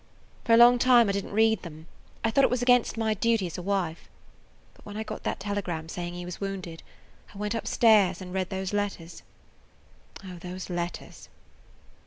"For a long time I did not read them; I thought it was against my duty as a wife. But when I got that telegram saying he was wounded, I went up stairs and read those letters. Oh, those letters!"